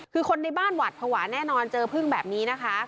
คือคนในบ้านหวัดภาวะแน่นอนเจอพึ่งแบบนี้นะคะ